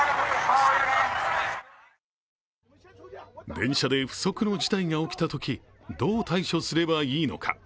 電車で不測の事態が起きたとき、どう対処すればいいのか。